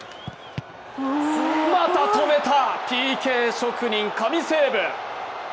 また止めた、ＰＫ職人、神セーブ。